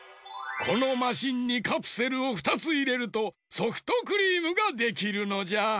このマシンにカプセルを２ついれるとソフトクリームができるのじゃ！